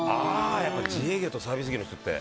やっぱ自営業とサービス業の人って。